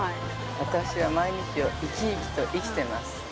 私は毎日を生き生きと生きています。